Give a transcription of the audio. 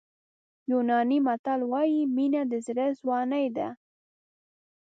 یوناني متل وایي مینه د زړه ځواني ده.